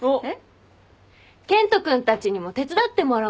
健人君たちにも手伝ってもらおうよ。